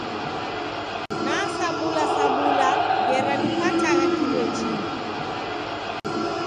Nasabulasabula ngera nipatagha kindo chingi.